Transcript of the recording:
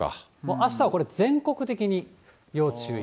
あしたはこれ、全国的に要注意。